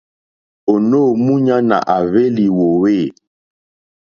Ònô múɲánà à hwélì wòòwê.